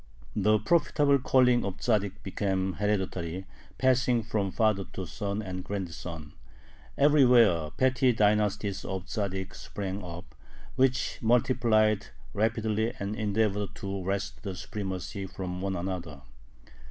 The profitable calling of Tzaddik became hereditary, passing from father to son and grandson. Everywhere petty "dynasties" of Tzaddiks sprang up, which multiplied rapidly and endeavored to wrest the supremacy from one another.